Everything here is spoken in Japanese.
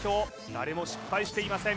誰も失敗していません